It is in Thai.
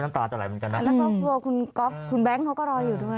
ตาจะไหลเหมือนกันนะแล้วครอบครัวคุณก๊อฟคุณแบงค์เขาก็รออยู่ด้วย